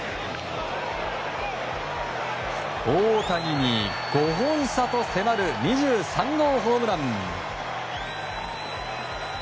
大谷に５本差と迫る２３号ホームラン。